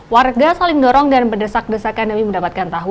warga saling dorong dan berdesak desakan demi mendapatkan tahu